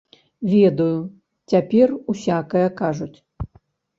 Ведаю, цяпер усякае кажуць.